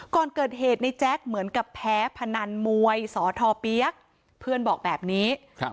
ก่อนเกิดเหตุในแจ๊คเหมือนกับแพ้พนันมวยสอทอเปี๊ยกเพื่อนบอกแบบนี้ครับ